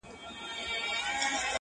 د جنګونو د شیطان قصر به وران سي؛